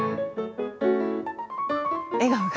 笑顔が。